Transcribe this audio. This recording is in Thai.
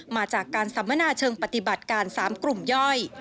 มาจากการสัมมนาเชิงปฏิบัติการ๓กลุ่มย่อย